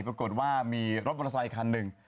ปรากฏว่ามีรถมอเตอร์ไซคันหนึ่ง